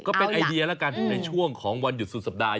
ก็เป็นไอเดียแล้วกันในช่วงของวันหยุดสุดสัปดาห